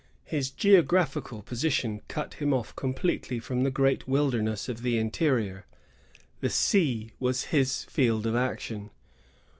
His geographical position cut him oflf completely from the great wilderness of the interior. The sea was his field of action.